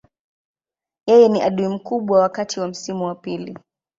Yeye ni adui mkubwa wakati wa msimu wa pili.